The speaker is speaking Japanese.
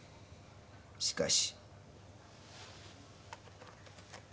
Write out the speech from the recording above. しかし。